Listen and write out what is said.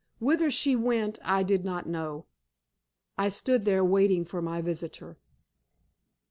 Whither she went I did not know. I stood there waiting for my visitor.